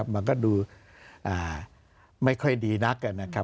มันก็ดูไม่ค่อยดีนัก